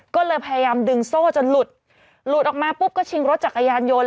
ก็เลยพยายามดึงโซ่จนหลุดหลุดออกมาปุ๊บก็ชิงรถจักรยานยนต์